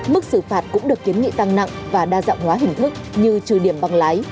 mức xử phạt cũng được kiến nghị tăng nặng và đa dạng hóa hình thức như trừ điểm bằng lái